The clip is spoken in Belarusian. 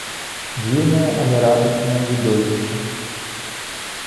Дзіўнае, але радаснае відовішча!